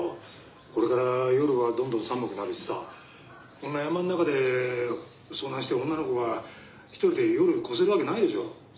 これから夜はどんどん寒くなるしさこんな山ん中で遭難して女の子が一人で夜越せるわけないでしょ。